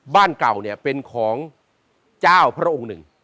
บ้านเก่าเนี่ยเป็นของเจ้าพระองค์หนึ่ง